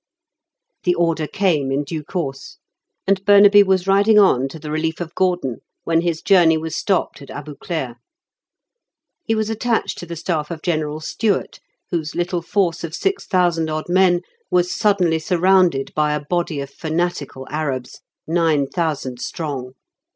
The order came in due course, and Burnaby was riding on to the relief of Gordon when his journey was stopped at Abu Klea. He was attached to the staff of General Stewart, whose little force of six thousand odd men was suddenly surrounded by a body of fanatical Arabs, nine thousand strong.